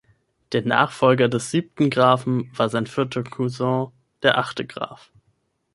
Der Nachfolger des siebten Grafen war sein vierter Cousin, der achte Graf.